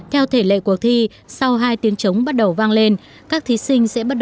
theo thể lệ cuộc thi sau hai tiếng trống bắt đầu vang lên các thí sinh sẽ bắt đầu